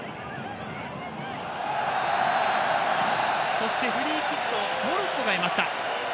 そしてフリーキックをモロッコが得ました。